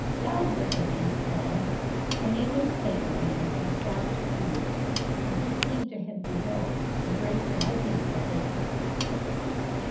Dowd was a nice fellow, and a newspaper man from start to finish, and he seemed to have developed a great liking for Oakes.